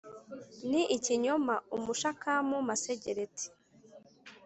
Ni ikinyoma umushakamu masegereti